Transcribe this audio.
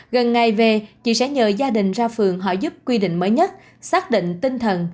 gần ngày về chị sẽ nhờ gia đình ra phường họ giúp quy định mới nhất xác định tinh thần